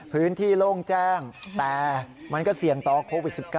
โล่งแจ้งแต่มันก็เสี่ยงต่อโควิด๑๙